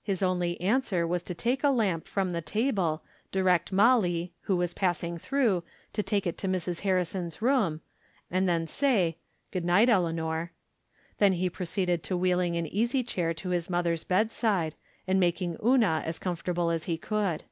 His only answer was to take a lamp from the table, direct MoUie, who was passing through, to take it to Mrs. Harrison's room, and then say, " Good night, Eleanor." Then he proceeded to wheehng an easy chair to his i*other's bedside, and making Una as comfortable as he could.